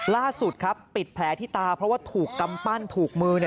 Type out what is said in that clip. ล่าสุดครับปิดแผลที่ตาเพราะว่าถูกกำปั้นถูกมือ